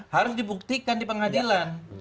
harus dibuktikan di pengadilan